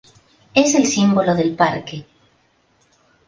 Es el símbolo del parque.